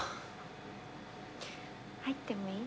入ってもいい？